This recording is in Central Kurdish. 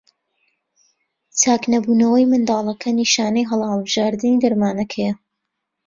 چاکنەبوونەوەی منداڵەکە نیشانەی هەڵە هەڵبژاردنی دەرمانەکەیە.